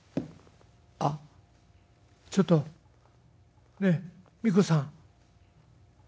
「あっちょっとねえミコさん」。